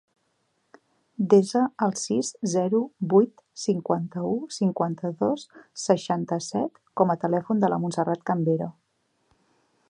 Desa el sis, zero, vuit, cinquanta-u, cinquanta-dos, seixanta-set com a telèfon de la Montserrat Cambero.